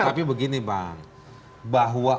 tetapi begini bang bahwa